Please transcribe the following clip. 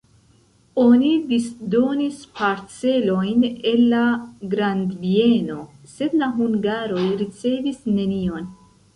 Oni disdonis parcelojn el la grandbieno, sed la hungaroj ricevis nenion.